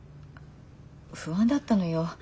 不安だったのよ